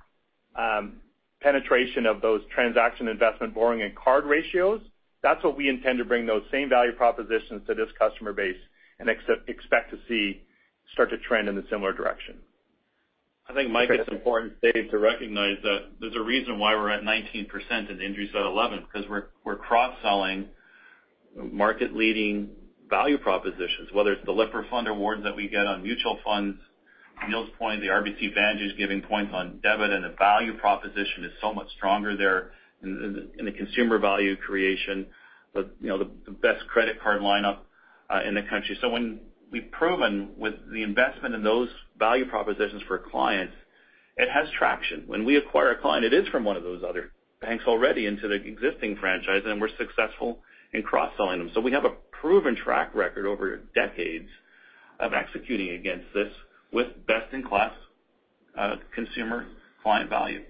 penetration of those transaction investment borrowing and card ratios. That's what we intend to bring those same value propositions to this customer base and expect to see start to trend in the similar direction. I think, Mike, it's important, Dave, to recognize that there's a reason why we're at 19% and Indris at 11 because we're cross-selling market-leading value propositions, whether it's the Lipper Fund Awards that we get on mutual funds, Neil's point, the RBC Vantage is giving points on debit, and the value proposition is so much stronger there in the, in the consumer value creation. The, you know, the best credit card lineup in the country. When we've proven with the investment in those value propositions for clients, it has traction. When we acquire a client, it is from one of those other banks already into the existing franchise, and we're successful in cross-selling them. We have a proven track record over decades of executing against this with best-in-class consumer client value.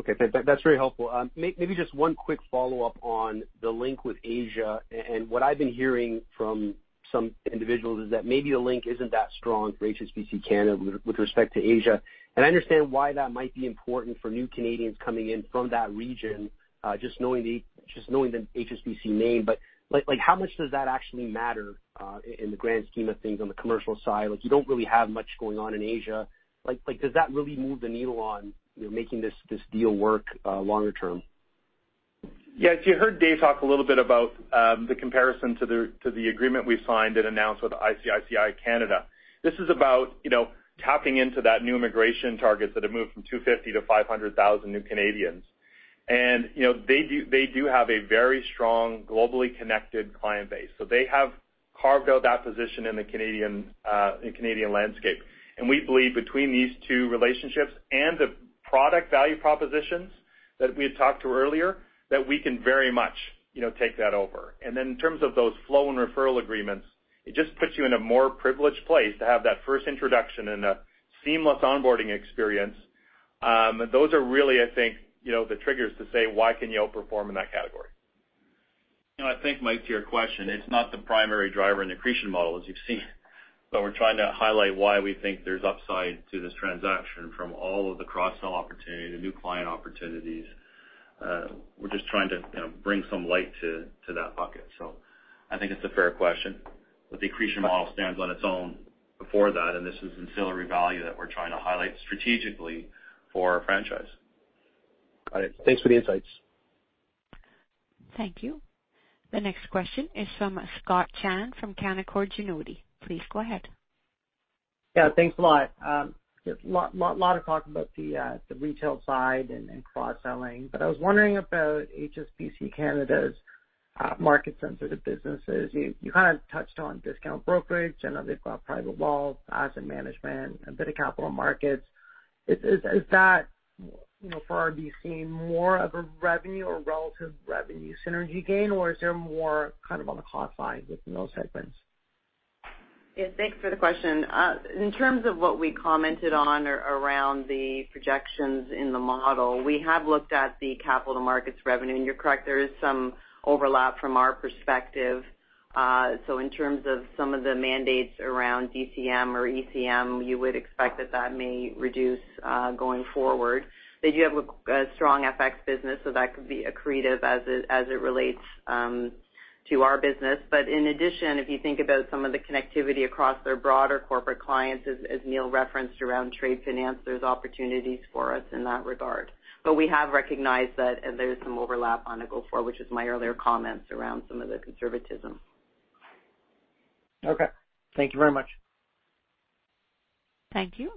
Okay. That's very helpful. Maybe just one quick follow-up on the link with Asia. What I've been hearing from some individuals is that maybe the link isn't that strong for HSBC Canada with respect to Asia. I understand why that might be important for new Canadians coming in from that region, just knowing the HSBC name. Like how much does that actually matter in the grand scheme of things on the commercial side? You don't really have much going on in Asia. Does that really move the needle on, you know, making this deal work longer term? Yeah. You heard Dave talk a little bit about the comparison to the agreement we signed and announced with ICICI Canada. This is about, you know, tapping into that new immigration targets that have moved from 250,000-500,000 new Canadians. You know, they do have a very strong globally connected client base. They have carved out that position in the Canadian in Canadian landscape. We believe between these two relationships and the product value propositions that we had talked to earlier, that we can very much, you know, take that over. In terms of those flow and referral agreements, it just puts you in a more privileged place to have that first introduction and a seamless onboarding experience. Those are really, I think, you know, the triggers to say, why can you outperform in that category. You know, I think, Mike, to your question, it's not the primary driver in accretion model, as you've seen. We're trying to highlight why we think there's upside to this transaction from all of the cross-sell opportunity, the new client opportunities. We're just trying to, you know, bring some light to that bucket. I think it's a fair question. The accretion model stands on its own before that, and this is ancillary value that we're trying to highlight strategically for our franchise. Got it. Thanks for the insights. Thank you. The next question is from Scott Chan from Canaccord Genuity. Please go ahead. Yeah, thanks a lot. There's lot of talk about the retail side and cross-selling. I was wondering about HSBC Canada's market-sensitive businesses. You kind of touched on discount brokerage. I know they've got private wealth, asset management, a bit of capital markets. Is that, you know, for RBC more of a revenue or relative revenue synergy gain, or is there more kind of on the cost side within those segments? Yeah, thanks for the question. In terms of what we commented on around the projections in the model, we have looked at the capital markets revenue. You're correct, there is some overlap from our perspective. In terms of some of the mandates around DCM or ECM, you would expect that that may reduce going forward. They do have a strong FX business, so that could be accretive as it relates to our business. In addition, if you think about some of the connectivity across their broader corporate clients, as Neil referenced around trade finance, there's opportunities for us in that regard. We have recognized that there is some overlap on the go-forward, which is my earlier comments around some of the conservatism. Okay. Thank you very much. Thank you.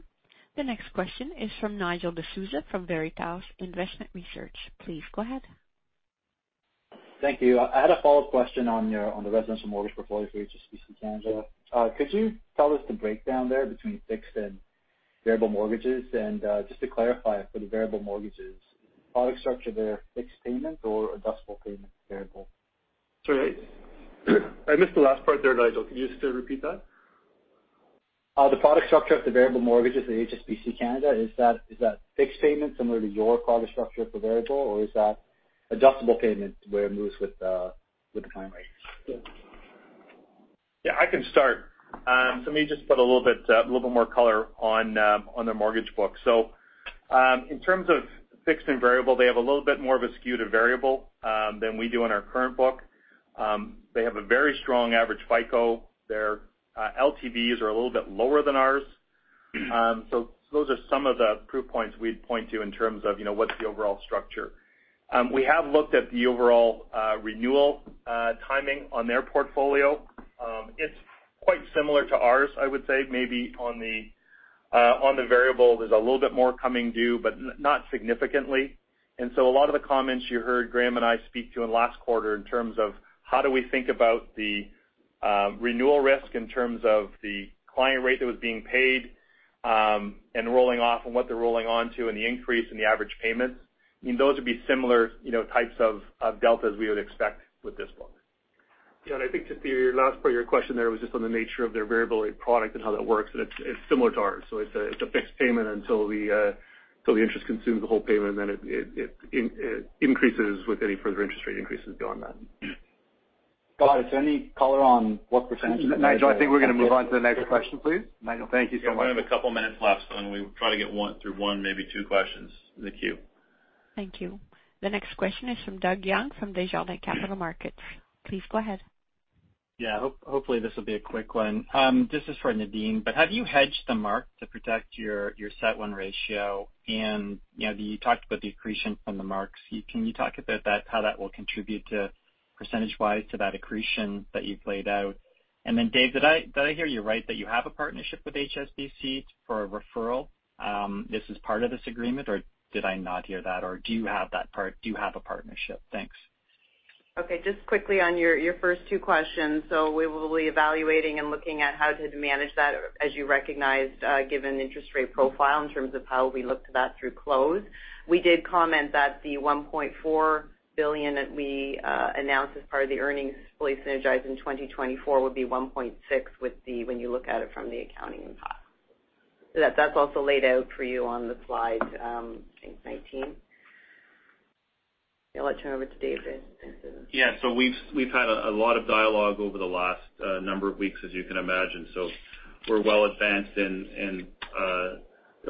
The next question is from Nigel D'Souza from Veritas Investment Research. Please go ahead. Thank you. I had a follow-up question on your on the residential mortgage portfolio for HSBC Canada. Could you tell us the breakdown there between fixed and variable mortgages? And, just to clarify for the variable mortgages, product structure there, fixed payment or adjustable payment variable? Sorry, I missed the last part there, Nigel. Can you just repeat that? The product structure of the variable mortgages at HSBC Bank Canada, is that fixed payment similar to your product structure for variable, or is that adjustable payment where it moves with the prime rates? Yeah, I can start. Let me just put a little bit, a little more color on their mortgage book. In terms of fixed and variable, they have a little bit more of a skew to variable than we do in our current book. They have a very strong average FICO. Their LTVs are a little bit lower than ours. Those are some of the proof points we'd point to in terms of, you know, what's the overall structure. We have looked at the overall renewal timing on their portfolio. It's quite similar to ours, I would say. Maybe on the variable, there's a little bit more coming due, but not significantly. A lot of the comments you heard Graeme and I speak to in last quarter in terms of how do we think about the Renewal risk in terms of the client rate that was being paid, and rolling off and what they're rolling on to and the increase in the average payments, I mean, those would be similar, you know, types of deltas we would expect with this book. Yeah. I think that the last part of your question there was just on the nature of their variable rate product and how that works, and it's similar to ours. It's a fixed payment until the interest consumes the whole payment, then it increases with any further interest rate increases beyond that. Scott Chan, is there any color on what. Nigel D'Souza, I think we're gonna move on to the next question, please. Thank you so much. We only have a couple minutes left, so I'm gonna try to get through one, maybe two questions in the queue. Thank you. The next question is from Doug Young from Desjardins Capital Markets. Please go ahead. Yeah. Hopefully, this will be a quick one. This is for Nadine. Have you hedged the mark to protect your CET1 ratio? You know, you talked about the accretion from the marks. Can you talk about that, how that will contribute to percentage-wise to that accretion that you've laid out? Dave, did I hear you right that you have a partnership with HSBC for a referral, this is part of this agreement, or did I not hear that, or do you have that part? Do you have a partnership? Thanks. Just quickly on your first two questions. We will be evaluating and looking at how to manage that, as you recognized, given interest rate profile in terms of how we look to that through close. We did comment that the 1.4 billion that we announced as part of the earnings fully synergized in 2024 would be 1.6 when you look at it from the accounting impact. That's also laid out for you on the slide, I think 19. I'll let you turn over to Dave for the rest of them. Yeah. we've had a lot of dialogue over the last number of weeks, as you can imagine. we're well advanced in the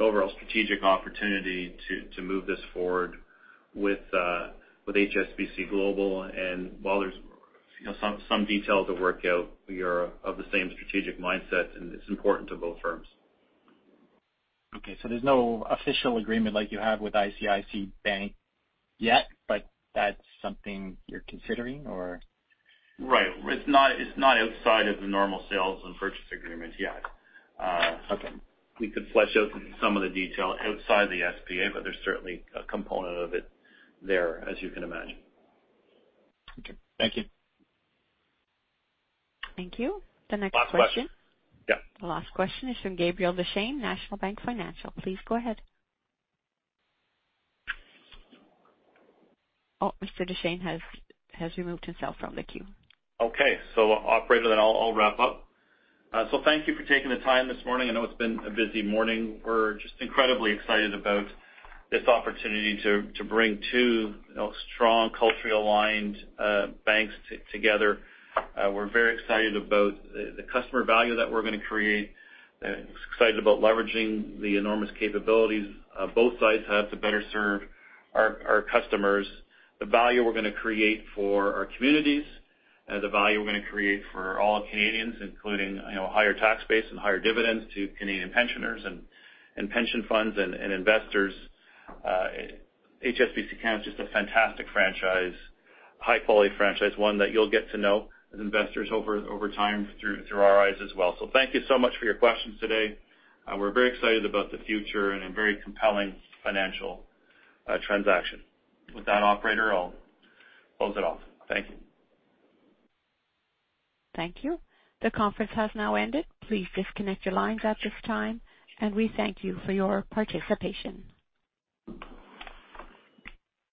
overall strategic opportunity to move this forward with HSBC Global. while there's, you know, some detail to work out, we are of the same strategic mindset, and it's important to both firms. Okay. There's no official agreement like you have with ICICI Bank yet, but that's something you're considering or? Right. It's not, it's not outside of the normal sales and purchase agreement yet. Okay. We could flesh out some of the detail outside the SPA, but there's certainly a component of it there, as you can imagine. Okay. Thank you. Thank you. The next question- Last question. Yeah. The last question is from Gabriel Dechaine, National Bank Financial. Please go ahead. Oh, Mr. Dechaine has removed himself from the queue. Okay. Operator, I'll wrap up. Thank you for taking the time this morning. I know it's been a busy morning. We're just incredibly excited about this opportunity to bring two, you know, strong, culturally aligned banks together. We're very excited about the customer value that we're gonna create. Excited about leveraging the enormous capabilities both sides have to better serve our customers, the value we're gonna create for our communities, the value we're gonna create for all Canadians including, you know, higher tax base and higher dividends to Canadian pensioners and pension funds and investors. HSBC Canada is just a fantastic franchise, high quality franchise, one that you'll get to know as investors over time through our eyes as well. Thank you so much for your questions today. We're very excited about the future and a very compelling financial transaction. With that, operator, I'll close it off. Thank you. Thank you. The conference has now ended. Please disconnect your lines at this time. We thank you for your participation.